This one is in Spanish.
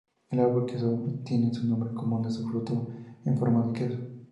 El árbol queso obtiene su nombre común de su fruto en forma de queso.